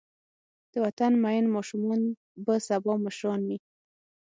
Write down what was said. د وطن مین ماشومان به سبا مشران وي.